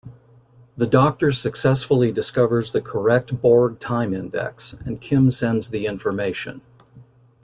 The Doctor successfully discovers the correct Borg time index, and Kim sends the information.